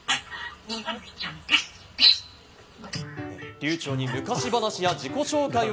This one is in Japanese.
流ちょうに昔話や自己紹介を